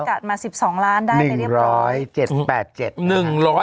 จัดมา๑๒ล้านได้ไปเรียบร้อย